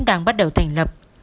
đang bắt đầu thành lập